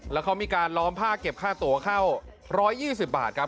แล้วเขามีการล้อมผ้าเก็บค่าตัวเข้า๑๒๐บาทครับ